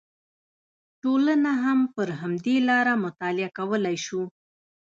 ټولنه هم پر همدې لاره مطالعه کولی شو